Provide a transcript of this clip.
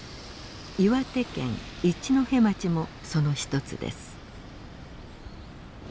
岩手県一戸町もその一つです。